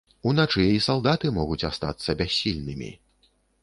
Уначы і салдаты могуць астацца бяссільнымі.